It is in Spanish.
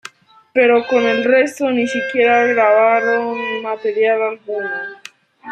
Pero con el resto ni siquiera grabaron material alguno.